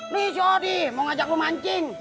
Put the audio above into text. lu jadi mau ngajak gue mancing